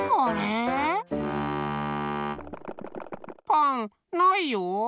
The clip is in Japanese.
パンないよ。